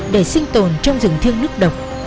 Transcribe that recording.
để sinh tồn trong rừng thương nước độc